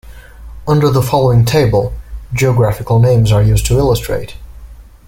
Under the following table, geographical names are used to illustrate.